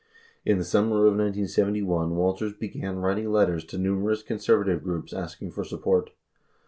In the summer of 1971 Walters began writing letters to numerous conservative groups asking for support.